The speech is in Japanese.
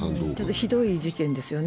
ひどい事件ですよね。